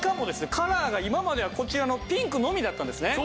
カラーが今まではこちらのピンクのみだったんですね。